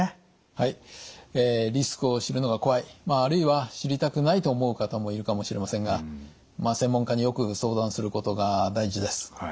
はいリスクを知るのが怖いあるいは知りたくないと思う方もいるかもしれませんが専門家によく相談することが大事です。